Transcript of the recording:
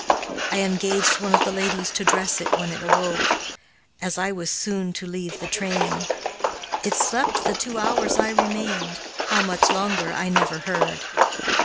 I engaged one of the ladies to dress it when it awoke, as I was soon to leave the train. It slept the two hours I remained how much longer I never heard.